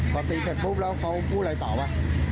พอตีเสร็จปุ๊บแล้วเขาพูดอะไรเปล่าว่ะ